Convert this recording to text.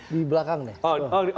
di belakang deh